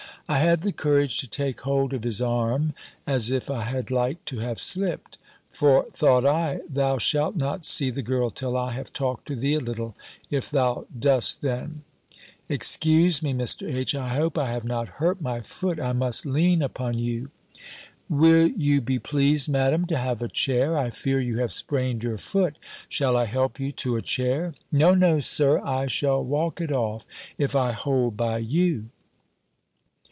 I had the courage to take hold of his arm, as if I had like to have slipt. For, thought I, thou shalt not see the girl till I have talked to thee a little, if thou dost then. "Excuse me, Mr. H. I hope I have not hurt my foot I must lean upon you." "Will you be pleased, Madam, to have a chair? I fear you have sprained your foot. Shall I help you to a chair?" "No, no, Sir, I shall walk it off, if I hold by you."